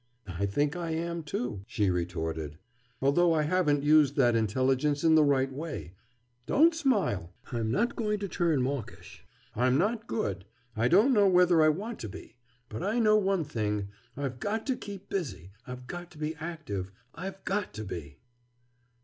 "I think I am, too," she retorted. "Although I haven't used that intelligence in the right way. Don't smile! I'm not going to turn mawkish. I'm not good. I don't know whether I want to be. But I know one thing: I've got to keep busy—I've got to be active. I've got to be!"